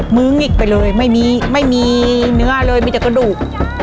มึ้งอีกไปเลยไม่มีเนื้อเลยมีแต่กระดูก